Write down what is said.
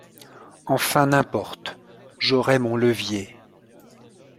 Enfin, n'importe ! J'aurai mon levier.